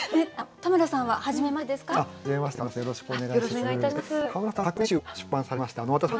田村さんは「はじめまして」ですか？